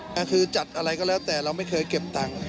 ก็คือจัดอะไรก็แล้วแต่เราไม่เคยเก็บตังค์